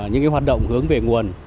những cái hoạt động hướng về nguồn